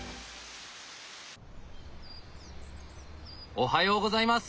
おはようございます！